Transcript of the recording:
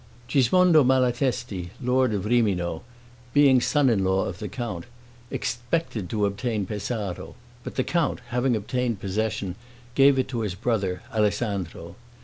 Gismondo Malatesti, lord of Rimino, being son in law of the count, expected to obtain Pesaro; but the count, having obtained possession, gave it to his brother, Alessandro.